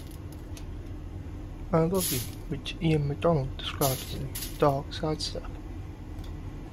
I love "you" which Ian MacDonald described as "a dark sidestep".